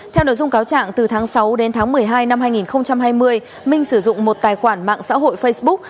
theo nội dung cáo trạng từ tháng sáu đến tháng một mươi hai năm hai nghìn hai mươi minh sử dụng một tài khoản mạng xã hội facebook